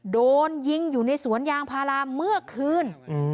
โดนยิงอยู่ในสวนยางพาราเมื่อคืน